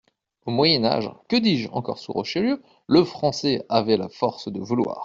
Au Moyen Âge, que dis-je ? encore sous Richelieu, le Français avait la force de vouloir.